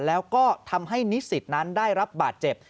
แล้วก็ทำให้นิสิตนั้นได้รับบาดเจ็บ